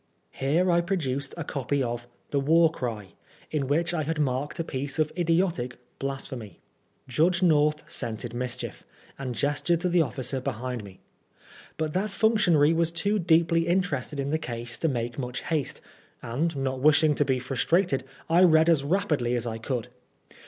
Here I produced a copy of the War Cry, in which I had marked a piece of idiotic " blasphemy." Judge North scented mischief, and gestured to the officer behind me. But that functionary was too deeply interested in the case to make much haste, and, not wishing to be frustrated, I read as rapidly as I could.